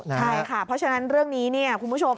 ใช่ค่ะเพราะฉะนั้นเรื่องนี้เนี่ยคุณผู้ชม